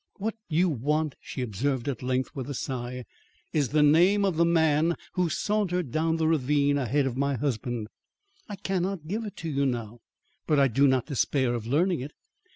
"What you want," she observed at length, with a sigh, "is the name of the man who sauntered down the ravine ahead of my husband. I cannot give it to you now, but I do not despair of learning it."